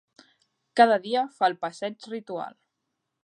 Cada dia fa el passeig ritual.